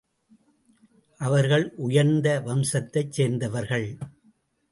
அவர்கள் உயர்ந்த வம்சத்தைச் சேர்ந்தவர்கள்.